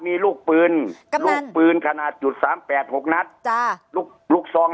มีลูกปืนลูกปืนขนาดจุดสามแปดหกนัดจ้ะลูกลูกซอง